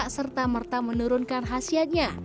serta merta menurunkan khasiatnya